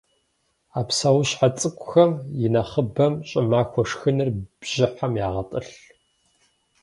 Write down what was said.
А псэущхьэ цӏыкӏухэм инэхъыбэм щӏымахуэ шхыныр бжьыхьэм ягъэтӏылъ.